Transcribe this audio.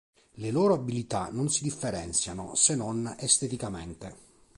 Le loro abilità non si differenziano se non esteticamente.